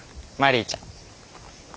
マリーちゃん。